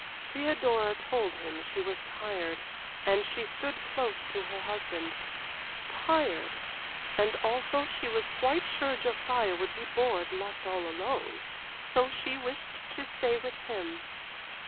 Theodora told him she was tired, and she stood close to her husband; tired and also she was quite sure Josiah would be bored left all alone, so she wished to stay with him.